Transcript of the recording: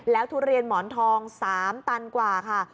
ทุเรียนหมอนทอง๓ตันกว่าค่ะ